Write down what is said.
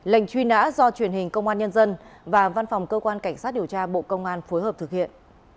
lệnh truy nã do truyền hình công an nhân dân và văn phòng cơ quan cảnh sát điều tra bộ công an phối hợp thực hiện